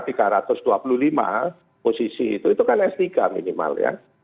posisi itu kan s tiga minimal ya